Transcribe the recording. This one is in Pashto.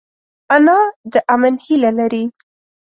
انا د امن هیله لري